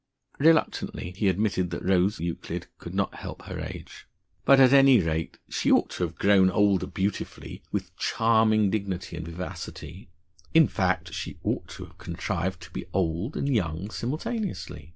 Reluctantly he admitted that Rose Euclid could not help her age. But, at any rate, she ought to have grown older beautifully, with charming dignity and vivacity in fact, she ought to have contrived to be old and young simultaneously.